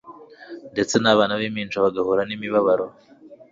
ndetse nabana bimpinja bagahura nimibabaro